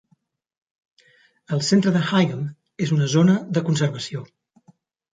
El centre de Higham és una zona de conservació.